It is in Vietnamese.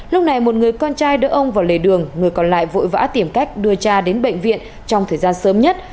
lúc này một người con trai đỡ ông vào lề đường người còn lại vội vã tìm cách đưa cha đến bệnh viện trong thời gian sớm nhất